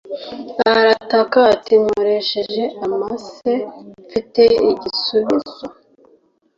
arataka ati 'nkoresheje amase, mfite igisubizo